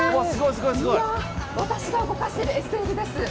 私が動かしているＳＬです。